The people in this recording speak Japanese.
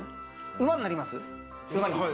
馬になります？